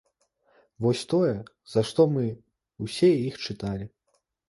Вось тое, за што мы ўсе іх чыталі.